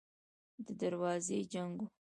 د دروازګۍ جنګ و.